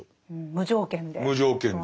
無条件で。